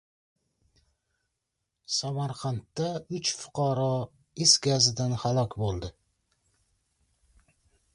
Samarqandda uch fuqaro is gazidan halok bo‘ldi